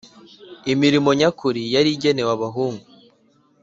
Imirimo nyakuri yari igenewe abahungu